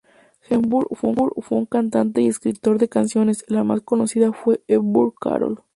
Hepburn fue un cantante y escritor de canciones, la más conocida fue "Hepburn Carol".